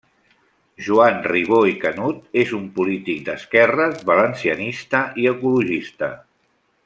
Joan Ribó i Canut és un polític d'esquerres, valencianista i ecologista.